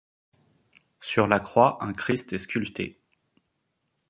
Sur la croix un christ est sculpté.